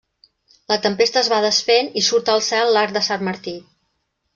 La tempesta es va desfent i surt al cel l'arc de Sant Martí.